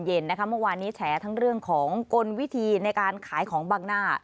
เมื่อวานนี้แฉทั้งเรื่องของกลวิธีในการขายของบังหน้า